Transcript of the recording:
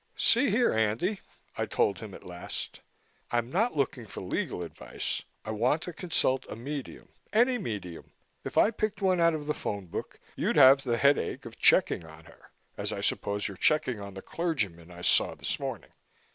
"See here, Andy," I told him at last. "I'm not looking for legal advice, I want to consult a medium. Any medium. If I picked one out of the phone book you'd have the headache of checking on her, as I suppose you're checking on the clergymen I saw this morning.